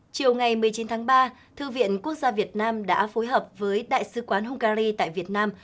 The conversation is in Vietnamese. chiều ngày một mươi chín tháng ba thư viện quốc gia việt nam đã phối hợp với đại sứ quán hungary tại việt nam